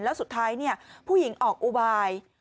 แล้วสุดท้ายผู้หญิงออกอุบาย